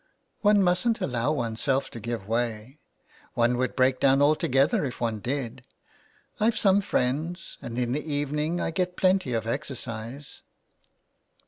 ''One musn't allow oneself to give way. One would break down altogether if one did. Pve some friends, and in the evening I get plenty of exercise."